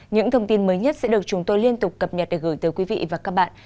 những thông tin mới nhất sẽ được chúng tôi liên tục cập nhật để gửi tới quý vị và các bạn